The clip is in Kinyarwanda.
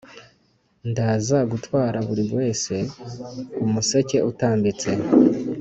Ndaza gutwara buri wese umuseke utambitse